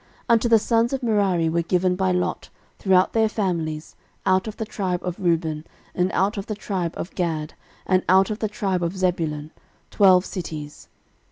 13:006:063 Unto the sons of Merari were given by lot, throughout their families, out of the tribe of Reuben, and out of the tribe of Gad, and out of the tribe of Zebulun, twelve cities.